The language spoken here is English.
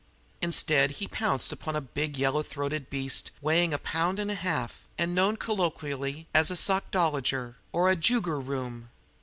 Instead, he pounced upon a big yellow throated beast weighing a pound and a half, and known colloquially as a "sockdolliger" or a "joogger room."